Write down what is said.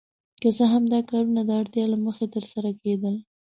که څه هم دا کارونه د اړتیا له مخې ترسره کیدل.